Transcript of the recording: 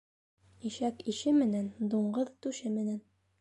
Ишәк ише менән, дуңғыҙ түше менән.